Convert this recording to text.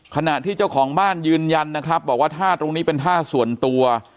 ขณะที่เจ้าของบ้านยืนยันนะครับบอกว่าท่าตรงนี้เป็นท่าส่วนตัว